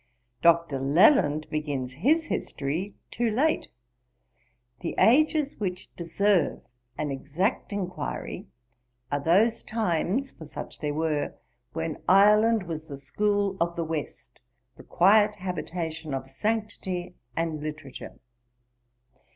Dr. Leland begins his history too late: the ages which deserve an exact enquiry are those times (for such there were) when Ireland was the school of the west, the quiet habitation of sanctity and literature.